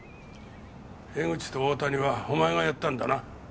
江口と大谷はお前がやったんだな。